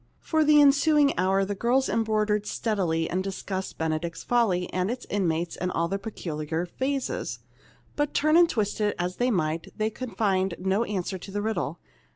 For the ensuing hour the girls embroidered steadily and discussed "Benedict's Folly" and its inmates in all their peculiar phases. But, turn and twist it as they might, they could find no answer to the riddle.